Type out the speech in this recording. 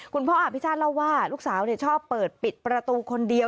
พ่ออภิชาติเล่าว่าลูกสาวชอบเปิดปิดประตูคนเดียว